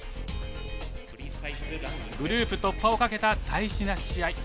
グループ突破をかけた大事な試合。